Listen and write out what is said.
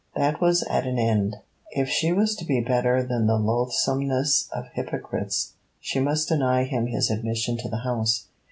That was at an end. If she was to be better than the loathsomest of hypocrites, she must deny him his admission to the house.